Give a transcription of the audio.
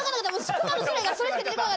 熊の種類がそれしか出てこなかった。